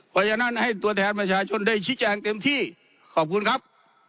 เพราะฉะนั้นให้ตัวแทนประชาชนได้ชี้แจงเต็มที่ขอบคุณครับ